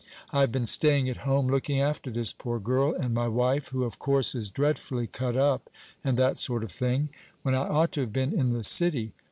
I have been staying at home looking after this poor girl and my wife who of course is dreadfully cut up, and that sort of thing when I ought to have been in the City.